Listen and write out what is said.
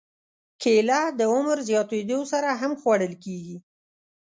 کېله د عمر زیاتېدو سره هم خوړل کېږي.